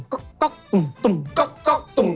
ใครเข้าประตูคะนี่